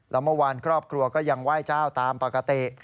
แล้วเมื่อวานครอบครัวก็ยังไหว้เจ้าตามปกติ